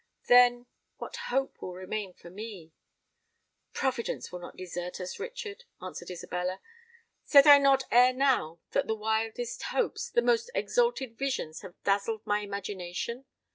Then—what hope will remain for me?" "Providence will not desert us, Richard," answered Isabella. "Said I not ere now that the wildest hopes—the most exalted visions have dazzled my imagination?